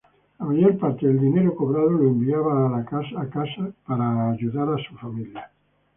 La mayor parte del dinero cobrado enviaba a casa para soportar su familia.